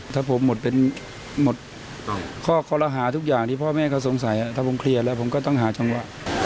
ถ้าผมหมดเป็นหมดข้อคอรหาทุกอย่างที่พ่อแม่เขาสงสัยถ้าผมเคลียร์แล้วผมก็ต้องหาจังหวะ